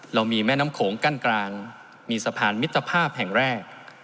เรามีแม่น้ำโขงกั้นกลางมีสะพานมิตรภาพแห่งแรก